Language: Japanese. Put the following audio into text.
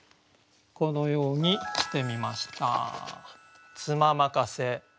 このようにしてみました。